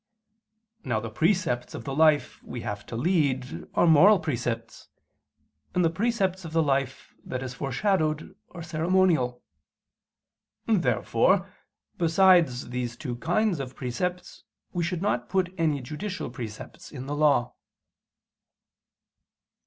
Now the precepts of the life we have to lead are moral precepts; and the precepts of the life that is foreshadowed are ceremonial. Therefore besides these two kinds of precepts we should not put any judicial precepts in the Law.